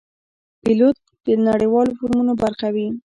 پیلوټ د نړیوالو فورمونو برخه وي.